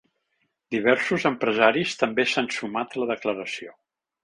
Diversos empresaris també s’han sumat a la declaració.